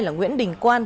là nguyễn đình quan